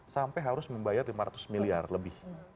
sampai harus membayar lima ratus miliar lebih